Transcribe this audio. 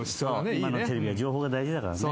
今のテレビは情報が大事だからね。